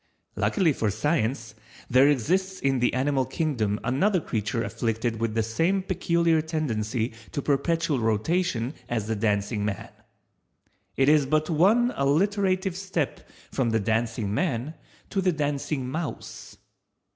Luckily for Science, there exists in the animal Kingdom another creature afflicted with the same peculiar tendency to perpetual rotation as the Dancing man. It is but one alliterative step from the Dancing man to the Dancing mouse.